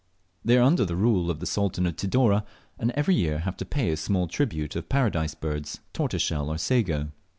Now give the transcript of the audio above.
They are under the rule of the Sultan of Tidore, and every year have to pay a small tribute of Paradise birds, tortoiseshell, or sago.